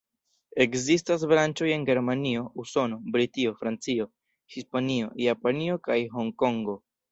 Ekzistas branĉoj en Germanio, Usono, Britio, Francio, Hispanio, Japanio kaj Honkongo.